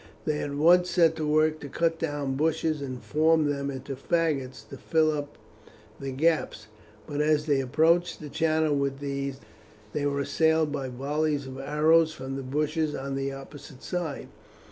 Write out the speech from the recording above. They at once set to work to cut down bushes and form them into faggots to fill up the gaps, but as they approached the channel with these they were assailed by volleys of arrows from the bushes on the opposite side.